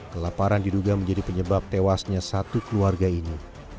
kelaparan diduga menjadi penyebab tewasnya satu keluarga ini